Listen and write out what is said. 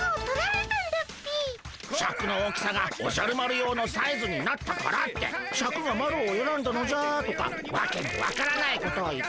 シャクの大きさがおじゃる丸用のサイズになったからってシャクがマロをえらんだのじゃとかわけのわからないことを言って。